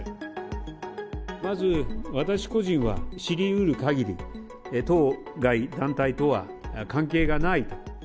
まず、私個人は、知りうるかぎり、当該団体とは関係がない。